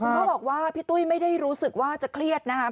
เขาบอกว่าพี่ตุ้ยไม่ได้รู้สึกว่าจะเครียดนะครับ